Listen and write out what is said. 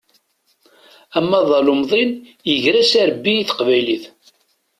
Amaḍal umḍin iger-as arebbi i teqbaylit.